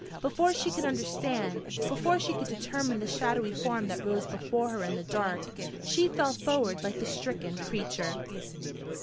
Before she could understand, before she could determine the shadowy form that rose before her in the dark, she fell forward like the stricken creature.